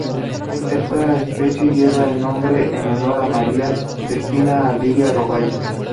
Esta especie lleva el nombre en honor a Maria Cristina Ardila-Robayo.